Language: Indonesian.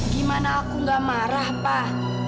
gimana aku gak marah pak